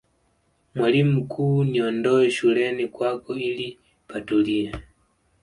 mwalimu mkuu niondoe shuleni kwako ili patulie